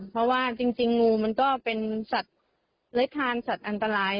เพราะว่าจริงงูมันก็เป็นสัตว์เล้ยคานสัตว์อันตราย